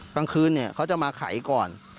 กลางคืนเขาจะมาไขก่อน